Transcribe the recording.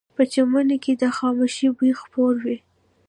په چمنونو کې د خاموشۍ بوی خپور وي